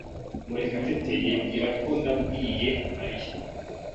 Murekatete yibwira ko nabibwiye Mariya.